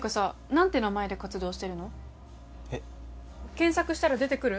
検索したら出てくる？